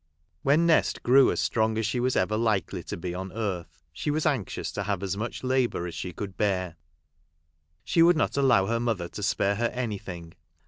" When Nest grew as strong as she was ever likely to be on earth, she was anxious to have as much labour as she could bear. She would not allow her mother to spare her anything.